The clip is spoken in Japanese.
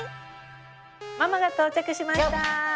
ママが到着しました。